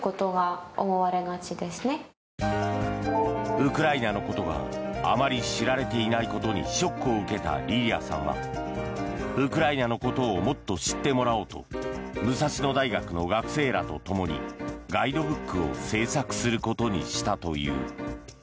ウクライナのことがあまり知られていないことにショックを受けたリリアさんはウクライナのことをもっと知ってもらおうと武蔵野大学の学生らと共にガイドブックを制作することにしたという。